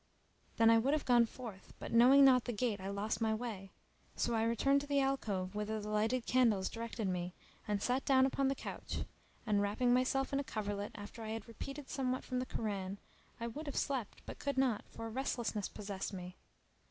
Then I would have gone forth, but knowing not the gate I lost my way, so I returned to the alcove whither the lighted candles directed me and sat down upon the couch; and wrapping myself in a coverlet, after I had repeated somewhat from the Koran, I would have slept but could not, for restlessness possessed me.